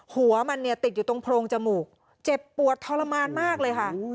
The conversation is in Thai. หัวมันเนี่ยติดอยู่ตรงโพรงจมูกเจ็บปวดทรมานมากเลยค่ะ